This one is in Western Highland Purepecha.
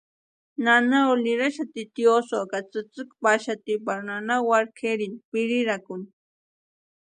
Nana Olga niraxati tiosïu ka tsïtsïki paxati pari nana wari kʼerini pirirani.